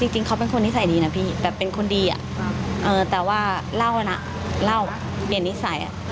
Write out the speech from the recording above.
จริงเขาเป็นคนนิสัยดีนะพี่แบบเป็นคนดีแต่ว่าเล่านะเล่าเปลี่ยนนิสัย